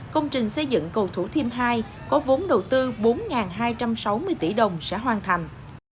công trình xây dựng cầu thủ thiêm hai có vốn đầu tư bốn hai trăm sáu mươi tỷ đồng sẽ hoàn thành